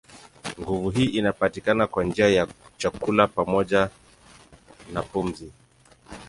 Nguvu hii inapatikana kwa njia ya chakula pamoja na pumzi.